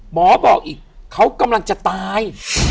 หมอบอกอีกเขากำลังจะตาย